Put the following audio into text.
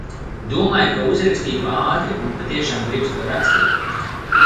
Domāju, ka uzrakstītu ātri. Un patiešām gribas to rakstīt.